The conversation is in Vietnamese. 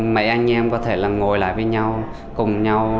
mấy anh em có thể là ngồi lại với nhau cùng nhau